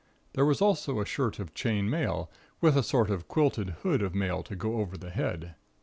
There was also a shirt of chain mail, with a sort of quilted hood of mail to go over the head.